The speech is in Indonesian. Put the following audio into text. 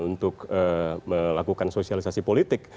untuk melakukan sosialisasi politik